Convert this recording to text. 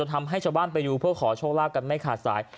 ทำให้ชาวบ้านไปดูเพื่อขอโชคลาภกันไม่ขาดสาย